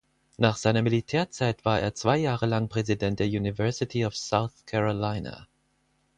Nach seiner Militärzeit war er zwei Jahre lang Präsident der University of South Carolina.